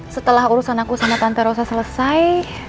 setelah urusan aku sana tante rosa selesai